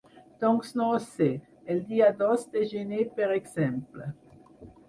Doncs no ho sé, el dia dos de Gener per exemple.